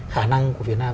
khả năng của việt nam